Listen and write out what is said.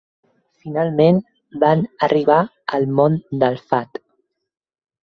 Finalment van arribar al Mont del Fat.